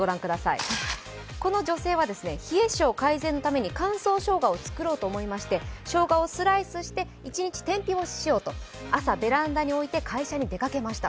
この女性は冷え性改善のために乾燥しょうがを作ろうと思いましてしょうがをスライスして一日、天日干ししようと朝、ベランダに置いて会社に出かけました。